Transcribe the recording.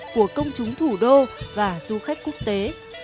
của công chúng thủ đô và du khách quốc tế